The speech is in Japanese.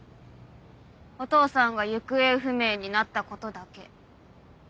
お父さんが行方不明になったことだけ。